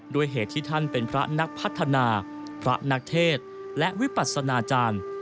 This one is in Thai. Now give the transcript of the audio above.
ด้วยเหตุที่ท่านเป็นพระนักพัฒนาพระนักเทศและวิปัสนาจารย์